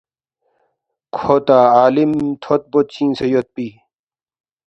کھو تا عالِم تھود بود چِنگسے یودپی